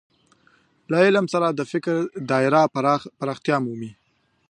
له علم سره د فکر دايره پراختیا مومي.